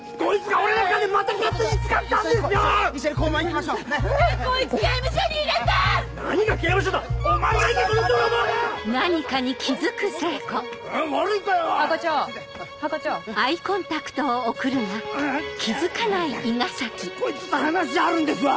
俺こいつと話あるんですわ。